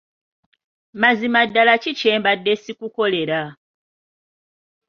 Mazima ddala ki kye mbadde sikukolera?